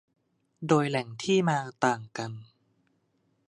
โดยแหล่งที่มาต่างกัน